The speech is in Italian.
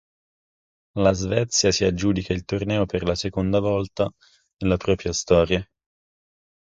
La Svezia si aggiudica il torneo per la seconda volta nella propria storia.